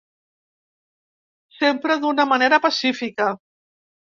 Sempre d’una manera pacífica.